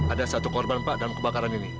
ada satu korban pak dalam kebakaran ini